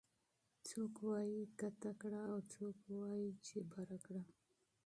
څوک وايي کته کړه او څوک وايي چې بره کړه